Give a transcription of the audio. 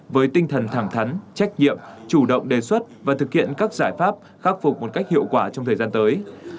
với tinh thần thẳng thắn trách nhiệm chủ động đề xuất và thực hiện các giải pháp khắc phục một cách hiệu quả trong thời gian tới